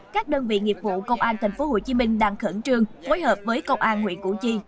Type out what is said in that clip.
các đơn vị nghiệp vụ công an tp hcm đang khẩn trương phối hợp với công an huyện củ chi